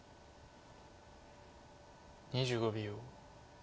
２５秒。